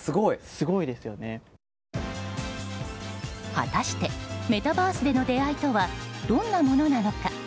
果たしてメタバースでの出会いとはどんなものなのか。